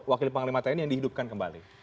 wakil panglima tni yang dihidupkan kembali